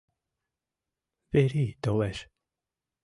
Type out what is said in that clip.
Верий толеш.